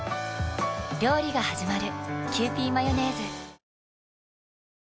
料理がはじまる。